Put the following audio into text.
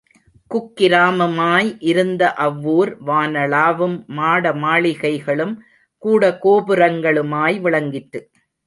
குக்கிராம மாய் இருந்த அவ்வூர் வானளாவும் மாடமாளிகைகளும் கூடகோபுரங்களுமாய் விளங்கிற்று.